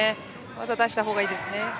技を出した方がいいですね。